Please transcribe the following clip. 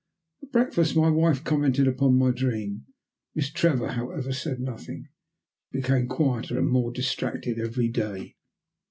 At breakfast my wife commented upon my dream. Miss Trevor, however, said nothing. She became quieter and more distracted every day.